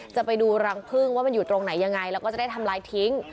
จะไปดูรังพึ่งว่ามันอยู่ตรงไหนยังไงแล้วก็จะได้ทำลายทิ้ง